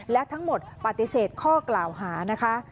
และทั้งหมดปฏิเสธข้อกล่าวหานะคะ